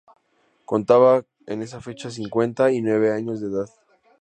Contaba en esa fecha cincuenta y nueve años de edad.